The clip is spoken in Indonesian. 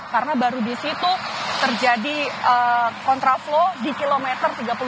karena baru disitu terjadi kontraflow di kilometer tiga puluh tujuh